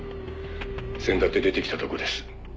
「せんだって出てきたとこです」